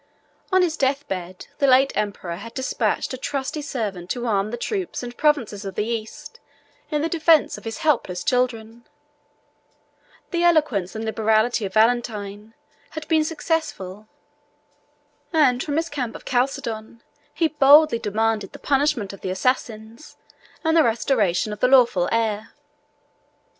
On his death bed, the late emperor had despatched a trusty servant to arm the troops and provinces of the East in the defence of his helpless children: the eloquence and liberality of Valentin had been successful, and from his camp of Chalcedon, he boldly demanded the punishment of the assassins, and the restoration of the lawful heir.